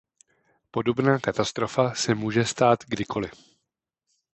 Podobná katastrofa se může stát kdykoli.